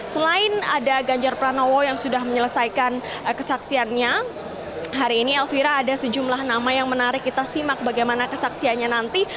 selain ada ganjar pranowo yang sudah menyelesaikan kesaksiannya hari ini elvira ada sejumlah nama yang menarik kita simak bagaimana kesaksiannya nanti